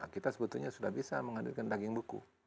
kita sebetulnya sudah bisa menghadirkan daging buku